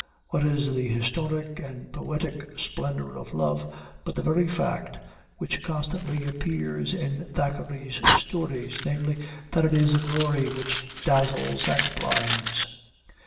What is the historic and poetic splendor of love but the very fact, which constantly appears in Thackeray's stories, namely, that it is a glory which dazzles and blinds.